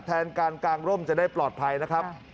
แทนการกางร่มจะได้ปลอดภัยนะครับ